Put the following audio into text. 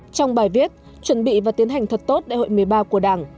trong bài viết chuẩn bị và tiến hành thật tốt đại hội một mươi ba của đảng